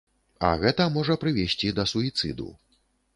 А гэта можа прывесці да суіцыду.